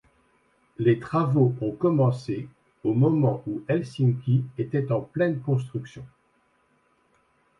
Les travaux ont commencé au moment où Helsinki était en pleine construction.